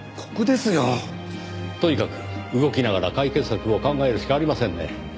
とにかく動きながら解決策を考えるしかありませんね。